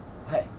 はい！